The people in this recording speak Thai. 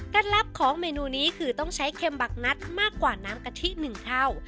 ลับของเมนูนี้คือต้องใช้เค็มบักนัดมากกว่าน้ำกะทิ๑เท่า